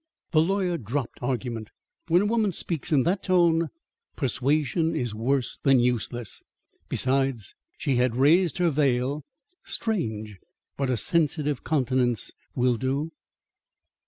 The lawyer dropped argument. When a woman speaks in that tone, persuasion is worse than useless. Besides, she had raised her veil. Strange, what a sensitive countenance will do!